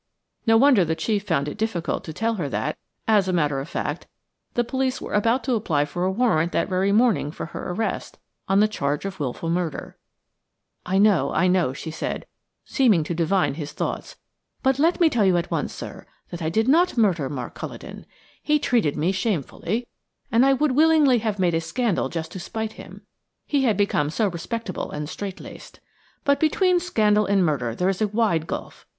No wonder the chief found it difficult to tell her that, as a matter of fact, the police were about to apply for a warrant that very morning for her arrest on a charge of wilful murder . "I know–I know," she said, seeming to divine his thoughts; "but let me tell you at once, sir, that I did not murder Mark Culledon. He treated me shamefully, and I would willingly have made a scandal just to spite him; he had become so respectable and strait laced. But between scandal and murder there is a wide gulf.